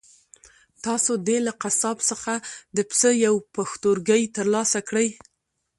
تاسو دې له قصاب څخه د پسه یو پښتورګی ترلاسه کړئ.